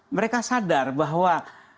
mereka sadar bahwa